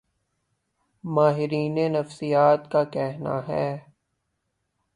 ماہرین نفسیات کا کہنا ہے